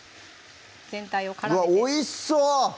全体を絡めてうわっおいしそう！